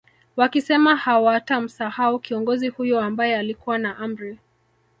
Wakisema hawatamsahau kiongozi huyo ambae alikuwa na Amri